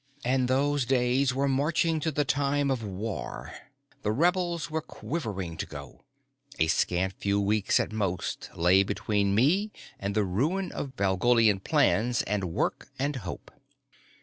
And those days were marching to the time of war, the rebels were quivering to go, a scant few weeks at most lay between me and the ruin of Valgolian plans and work and hope.